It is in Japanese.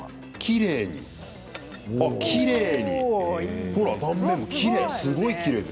きれいにほら断面もきれい。